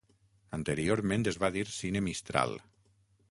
Anteriorment es va dir Cine Mistral.